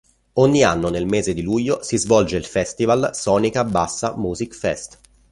Ogni anno nel mese di luglio si svolge il festival Sonica Bassa Music Fest.